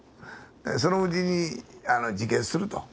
そのうちに自決すると。